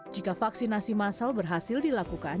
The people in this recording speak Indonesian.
jika vaksinasi masal berhasil dilakukan